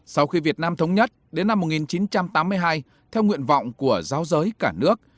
sau khi việt nam thống nhất đến năm một nghìn chín trăm tám mươi hai theo nguyện vọng của giáo giới cả nước